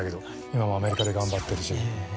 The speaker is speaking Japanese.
今もアメリカで頑張ってるし。